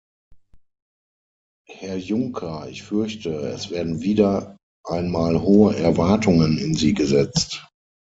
Herr Juncker, ich fürchte, es werden wieder einmal hohe Erwartungen in Sie gesetzt.